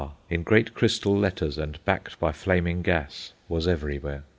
in great crystal letters and backed by flaming gas, was everywhere.